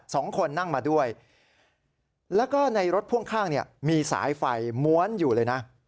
สองคนนั่งมาด้วยแล้วก็ในรถพ่วงข้างเนี่ยมีสายไฟม้วนอยู่เลยนะ